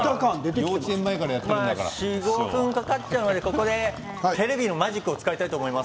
４、５分かかってしまうので、ここでテレビのマジックを使いたいと思います。